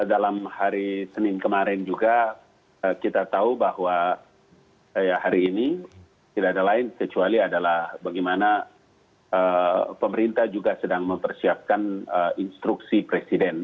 dalam hari senin kemarin juga kita tahu bahwa hari ini tidak ada lain kecuali adalah bagaimana pemerintah juga sedang mempersiapkan instruksi presiden